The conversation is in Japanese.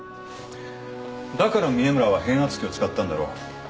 だから峰村は変圧器を使ったんだろう。